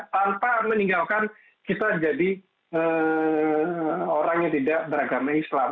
tanpa meninggalkan kita jadi orang yang tidak beragama islam